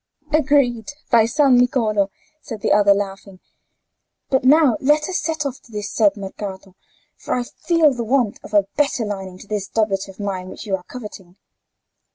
"Agreed, by San Niccolò," said the other, laughing. "But now let us set off to this said Mercato, for I feel the want of a better lining to this doublet of mine which you are coveting."